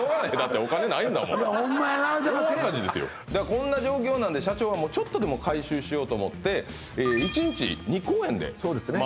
こんな状況なんで社長はもうちょっとでも回収しようと思って１日２公演で回してるんですね